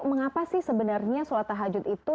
mengapa sih sebenarnya suatah hajut itu